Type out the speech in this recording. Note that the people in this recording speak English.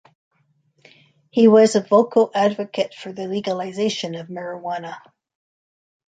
He was a vocal advocate for the legalization of marijuana.